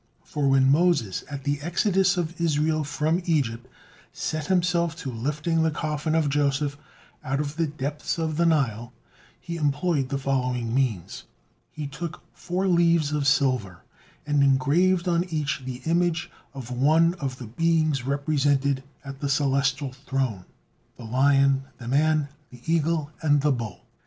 For when Moses at the exodus of Israel from Egypt set himself to lifting the coffin of Joseph out of the depths of the Nile, he employed the following means: He took four leaves of silver, and engraved on each the image of one of the beings represented at the Celestial Throne, the lion, the man, the eagle, and the bull.